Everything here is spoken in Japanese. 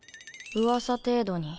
噂程度に。